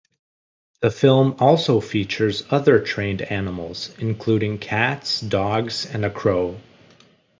The film also features other trained animals, including cats, dogs and a crow.